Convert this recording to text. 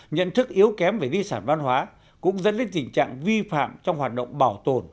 nhận thức yếu kém về di sản văn hóa cũng dẫn đến tình trạng vi phạm trong hoạt động bảo tồn